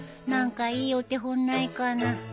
何かいいお手本ないかな。